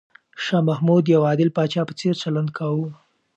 شاه محمود د یو عادل پاچا په څېر چلند کاوه.